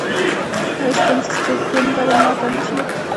ایا ستاسو تنده به ماته نه شي؟